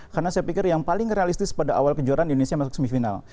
karena saya pikir yang paling realistis pada awal kejuaraan indonesia masuk ke semifinal